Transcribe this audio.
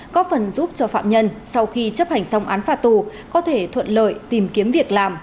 có phần giúp cho phạm nhân sau khi chấp hành xong án phạt tù có thể thuận lợi tìm kiếm việc làm